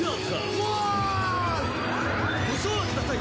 ご唱和ください